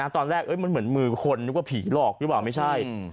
ตอนแรกมันเหมือนมือคนนึกว่าผีหลอกหรือเปล่าไม่ใช่